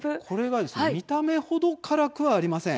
見た目程、辛くありません。